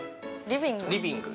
リビング。